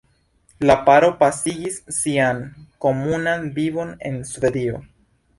La paro pasigis sian komunan vivon en Svedio.